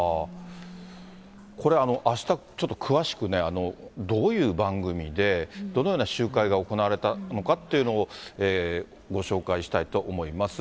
これ、あしたちょっと詳しくね、どういう番組で、どのような集会が行われたのかっていうのをご紹介したいと思います。